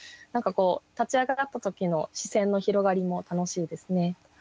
何かこう立ち上がった時の視線の広がりも楽しいですね。